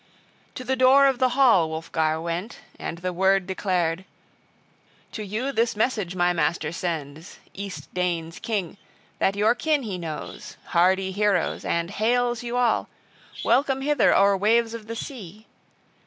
[To the door of the hall Wulfgar went] and the word declared: "To you this message my master sends, East Danes' king, that your kin he knows, hardy heroes, and hails you all welcome hither o'er waves of the sea!